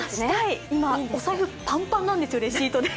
今、お財布パンパンなんですよ。